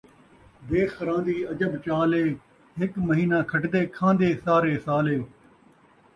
بیخراں دی عجب چال ءِے، ہک مہینہ کھٹدے، کھاندے سارے سال ءِے